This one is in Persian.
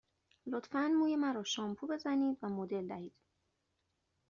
لطفاً موی مرا شامپو بزنید و مدل دهید.